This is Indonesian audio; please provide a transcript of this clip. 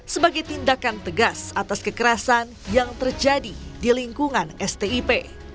sebagai tindakan tegas atas kekerasan yang terjadi di lingkungan stip